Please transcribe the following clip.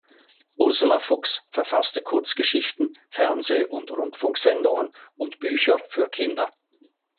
Ursula Fuchs verfasste Kurzgeschichten, Fernseh- und Rundfunksendungen und Bücher für Kinder.